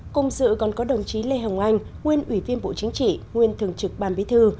cùng dự còn có đồng chí lê hồng anh nguyên ủy viên bộ chính trị nguyên thường trực ban bí thư